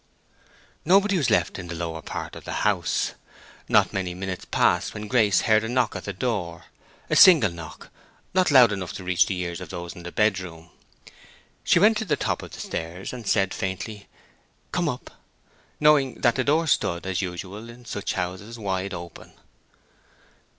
Nobody was left in the lower part of the house. Not many minutes passed when Grace heard a knock at the door—a single knock, not loud enough to reach the ears of those in the bedroom. She went to the top of the stairs and said, faintly, "Come up," knowing that the door stood, as usual in such houses, wide open.